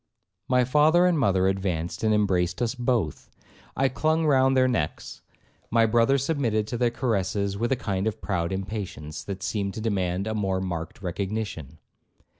'My father and mother advanced and embraced us both. I clung round their necks; my brother submitted to their caresses with a kind of proud impatience, that seemed to demand a more marked recognition.